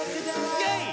イェイ！